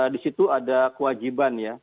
di situ ada kewajiban ya